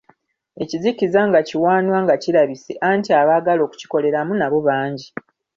Ekizikiza nga kiwaanwa nga kirabise anti abagala okukikoleramu nabo bangi.